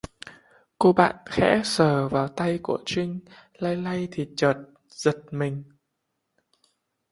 Cô bạn khẽ sờ vào tay của trinh lay lay thì chợt giật mình